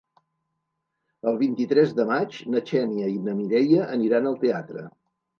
El vint-i-tres de maig na Xènia i na Mireia aniran al teatre.